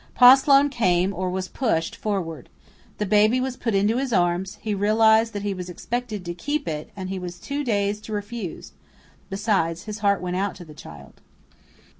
Pa Sloane came, or was pushed, forward. The baby was put into his arms; he realized that he was expected to keep it, and he was too dazed to refuse; besides, his heart went out to the child.